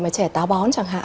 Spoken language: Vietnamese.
mà trẻ táo bón chẳng hạn